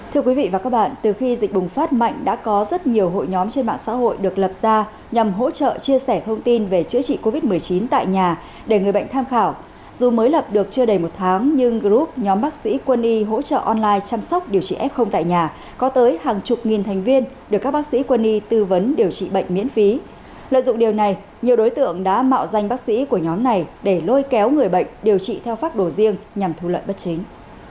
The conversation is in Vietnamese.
tưởng đã mạo danh bác sĩ của nhóm này để lôi kéo người bệnh điều trị theo pháp đồ riêng nhằm thu lợi bất chính